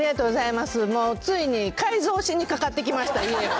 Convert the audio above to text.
もうついに改造しにかかってきました、家も。